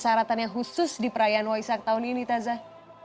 apa haratan yang khusus di perayaan waisak tahun ini tazah